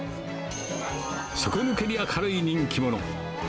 底抜けに明るい人気者。